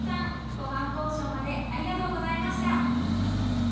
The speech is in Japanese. ご飯交渉までありがとうございました。